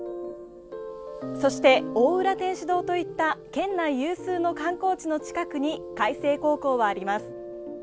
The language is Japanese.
そして、大浦天主堂といった県内有数の観光地の近くに海星高校はあります。